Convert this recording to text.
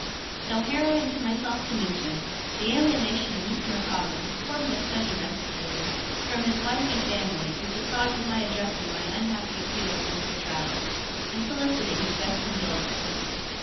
'Though harrowing to myself to mention, the alienation of Mr. Micawber (formerly so domesticated) from his wife and family, is the cause of my addressing my unhappy appeal to Mr. Traddles, and soliciting his best indulgence.